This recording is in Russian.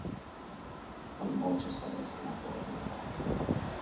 Он молча свалился на пол к ее ногам.